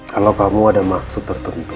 kalau kamu ada maksud tertentu